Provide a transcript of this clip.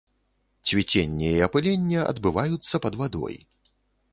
Цвіценне і апыленне адбываюцца пад вадой.